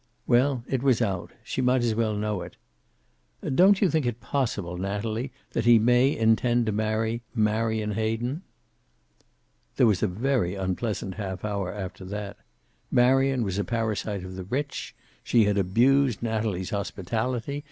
Well, it was out. She might as well know it. "Don't you think it possible, Natalie, that he may intend to marry Marion Hayden?" There was a very unpleasant half hour after that. Marion was a parasite of the rich. She had abused Natalie's hospitality.